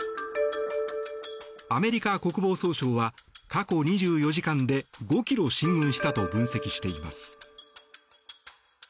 アメリカ国防総省は過去２４時間で５ｋｍ進軍したと分析しています。